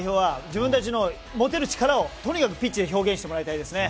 自分たちの持てる力をとにかくピッチで表現してもらいたいですね。